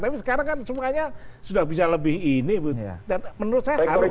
tapi sekarang kan semuanya sudah bisa lebih ini dan menurut saya harus